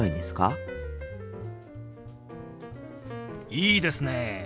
いいですね！